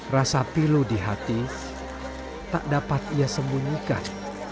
rasa pilu di hati tak dapat ia sembunyikan